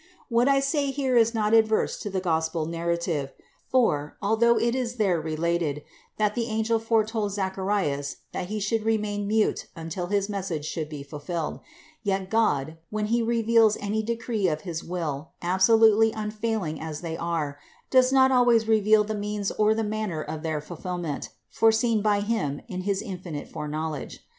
What I say here is not adverse to the Gospel narrative; for, although it is there related, that the angel foretold Zacharias that he should remain mute until his message should be fulfilled, yet God, when He reveals any decree of his will, absolutely unfailing as they are, does not always reveal the means or the manner of their fulfillment, foreseen by Him in his infinite foreknowledge.